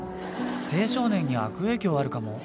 青少年に悪影響あるかも。